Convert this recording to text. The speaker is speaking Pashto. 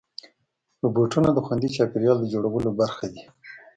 روبوټونه د خوندي چاپېریال د جوړولو برخه دي.